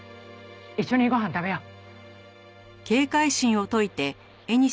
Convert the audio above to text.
一緒にご飯食べよう。